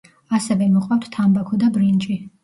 ასევე მოყავთ თამბაქო და ბრინჯი.